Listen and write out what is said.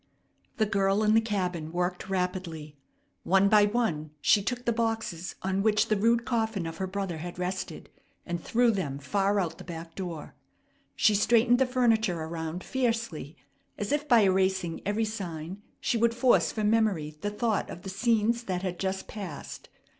The girl in the cabin worked rapidly. One by one she took the boxes on which the rude coffin of her brother had rested, and threw them far out the back door. She straightened the furniture around fiercely, as if by erasing every sign she would force from memory the thought of the scenes that had just passed.